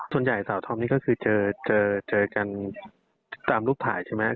ส่วนใหญ่สาวธอมนี่ก็คือเจอกันตามรูปถ่ายใช่ไหม